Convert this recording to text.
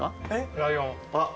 ライオン。